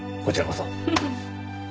こちらこそ。